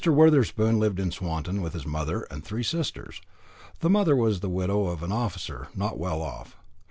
Wotherspoon lived in Swanton with his mother and three sisters. The mother was the widow of an officer, not well off.